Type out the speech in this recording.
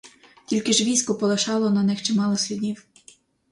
Тільки ж військо полишало на них чимало слідів.